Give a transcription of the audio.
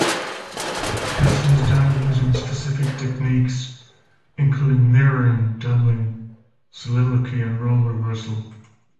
This is done using specific techniques, including mirroring, doubling, soliloquy, and role reversal.